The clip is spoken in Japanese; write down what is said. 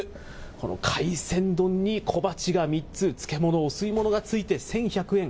この海鮮丼に小鉢が３つ、漬物、お吸い物がついて１１００円。